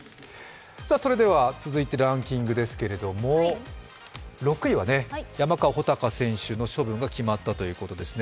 それでは続いてランキングですけれども６位は山川穂高選手の処分が決まったということですね。